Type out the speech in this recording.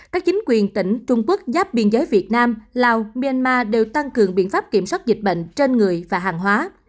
các chính quyền tỉnh trung quốc giáp biên giới việt nam lào myanmar đều tăng cường biện pháp kiểm soát dịch bệnh trên người và hàng hóa